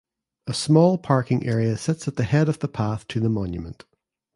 A small parking area sits at the head of the path to the monument.